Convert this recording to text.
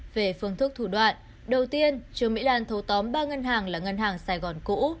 về phương thức thủ đoạn đầu tiên trương mỹ lan thâu tóm ba ngân hàng là ngân hàng sài gòn cũ